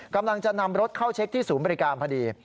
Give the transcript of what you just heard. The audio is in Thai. กำลังจะนำรถเข้าเช็คที่ศูนย์บริการพอดี